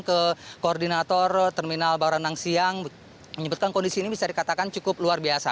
ke koordinator terminal baranang siang menyebutkan kondisi ini bisa dikatakan cukup luar biasa